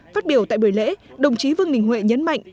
phát biểu tại bời lễ đồng chí vương bình huệ nhấn mạnh